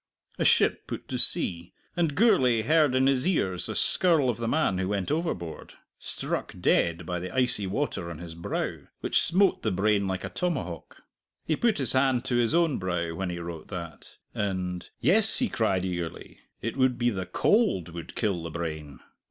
A ship put to sea, and Gourlay heard in his ears the skirl of the man who went overboard struck dead by the icy water on his brow, which smote the brain like a tomahawk. He put his hand to his own brow when he wrote that, and, "Yes," he cried eagerly, "it would be the cold would kill the brain!